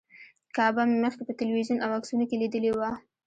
کعبه مې مخکې په تلویزیون او عکسونو کې لیدلې وه.